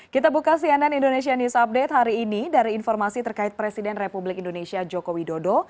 kita buka cnn indonesia news update hari ini dari informasi terkait presiden republik indonesia joko widodo